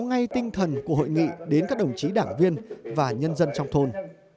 ngay tinh thần của hội nghị đến các đồng chí đảng viên và nhân dân trong thôn